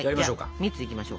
蜜いきましょう。